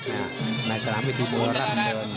ในสถานการณ์วิธีมวลราชดำเดิน